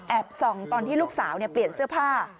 ส่องตอนที่ลูกสาวเปลี่ยนเสื้อผ้า